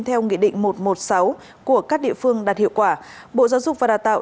theo nghị định một trăm một mươi sáu của các địa phương đạt hiệu quả bộ giáo dục và đào tạo